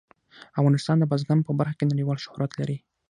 افغانستان د بزګان په برخه کې نړیوال شهرت لري.